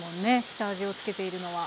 下味を付けているのは。